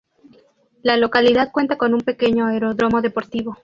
La localidad cuenta con un pequeño aeródromo deportivo.